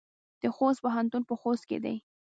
د خوست پوهنتون په خوست کې دی